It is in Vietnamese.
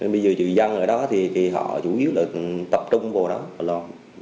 bây giờ dự dân ở đó thì họ chủ yếu là tập trung vô đó lo